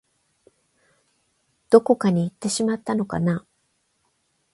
どこかにいってしまったのかな